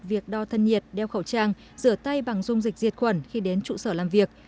việc đo thân nhiệt đeo khẩu trang rửa tay bằng dung dịch diệt khuẩn khi đến trụ sở làm việc